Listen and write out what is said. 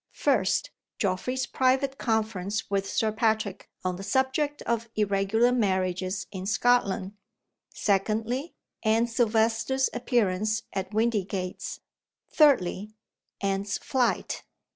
First, Geoffrey's private conference with Sir Patrick on the subject of Irregular Marriages in Scotland. Secondly, Anne Silvester's appearance at Windygates. Thirdly, Anne's flight.